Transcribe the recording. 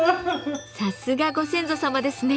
さすがご先祖様ですね。